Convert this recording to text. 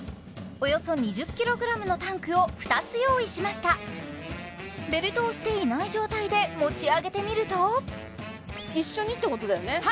およそ２０ｋｇのタンクを２つ用意しましたベルトをしていない状態で持ち上げてみると一緒にってことだよね？